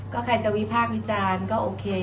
ก็ใครจะวิพากษ์วิจารณ์ก็โอเค